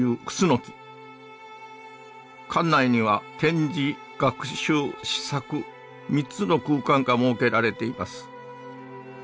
館内には展示学習思索３つの空間が設けられています。